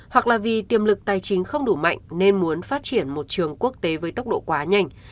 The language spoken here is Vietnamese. hoặc là vì tiềm lực tài chính không đủ mạnh nên muốn phát triển một trường quốc tế với tốc độ quá nhanh